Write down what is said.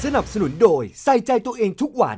สนับสนุนโดยใส่ใจตัวเองทุกวัน